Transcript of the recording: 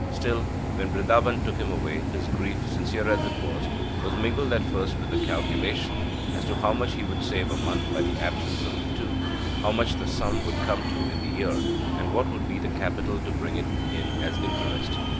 Still, when Brindaban took him away, his grief, sincere as it was, was mingled at first with calculation as to how much he would save a month by the absence of the two, how much the sum would come to in the year, and what would be the capital to bring it in as interest.